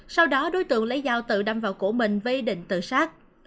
sau đó đối tượng lấy dao tự đâm vào cổ mình với ý định tự sát